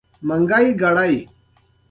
ایا ستاسو سفر به نه پیلیږي؟